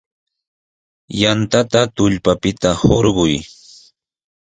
Yantata tullpapita hurqay.